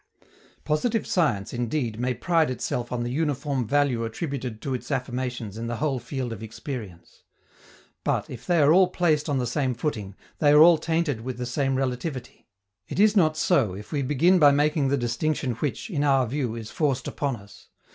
Positive science, indeed, may pride itself on the uniform value attributed to its affirmations in the whole field of experience. But, if they are all placed on the same footing, they are all tainted with the same relativity. It is not so, if we begin by making the distinction which, in our view, is forced upon us.